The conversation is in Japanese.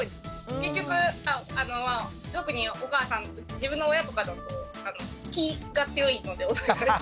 結局特にお母さん自分の親とかだと気が強いのでお互い。